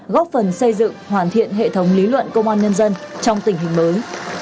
góp phần xây dựng hoàn thiện hệ thống lý luận công an nhân dân trong tình hình mới